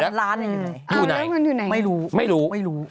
เอาแล้วเงินอยู่ไหนไม่รู้ไม่รู้